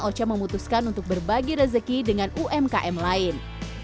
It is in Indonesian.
ocha memutuskan untuk berbagi rezeki dengan umkm lain